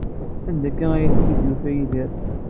Anda ay tent-id-yufa Yidir?